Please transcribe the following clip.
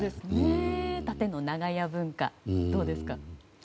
縦の長屋文化どうですか？